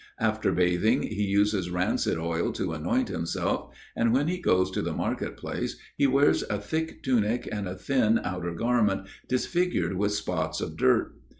After bathing he uses rancid oil to anoint himself; and when he goes to the market place, he wears a thick tunic and a thin outer garment disfigured with spots of dirt.